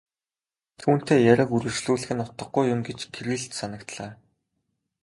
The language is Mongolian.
Түүнтэй яриаг үргэжлүүлэх нь утгагүй юм гэж Кириллд санагдлаа.